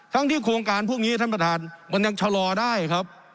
ทั้งที่โครงการพวกนี้ท่านประธานมันยังชะลอได้ครับ